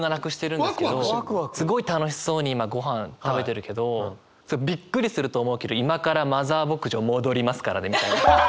すごい楽しそうに今ごはん食べてるけどびっくりすると思うけど今からマザー牧場戻りますからねみたいな。